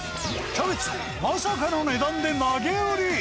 キャベツ、まさかの値段で投げ売り。